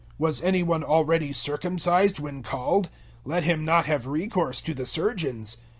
Was any one already circumcised when called? Let him not have recourse to the surgeons.